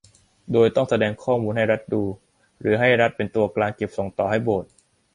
โดยต้องแสดงข้อมูลให้รัฐดู หรือให้รัฐเป็นตัวกลางเก็บส่งต่อให้โบสถ์